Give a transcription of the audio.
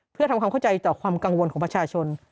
เพื่อทำความเข้าใจต่อความกังวลของประชาชน